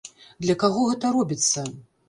Для каго гэта робіцца?